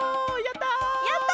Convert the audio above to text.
やった！